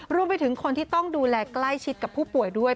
รวมไปถึงคนที่ต้องดูแลใกล้ชิดกับผู้ป่วยด้วย